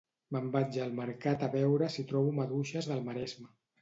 Me'n vaig al mercat a veure si trobo maduixes del Maresme